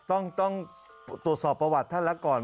ต้องตรวจสอบประวัติท่านแล้วก่อน